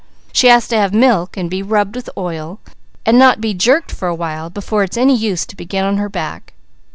She has to have milk and be rubbed with oil, and not be jerked for a while before it's any use to begin on her back."